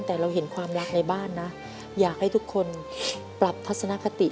แต่เราเห็นความรักในบ้านนะอยากให้ทุกคนปรับทัศนคติ